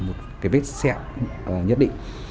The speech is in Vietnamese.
một cái vết xẹo nhất định